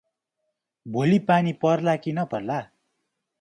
भोलि पानी पर्ला कि नपर्ला?